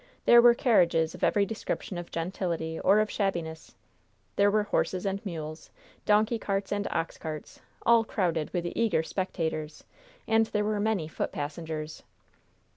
There were carriages of every description of gentility or of shabbiness; there were horses and mules, donkey carts and ox carts, all crowded with eager spectators, and there were many foot passengers.